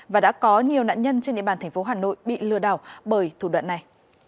và đã có nhiều nạn nhân trên địa bàn tp hà nội bị lừa đảo bởi thủ đoạn này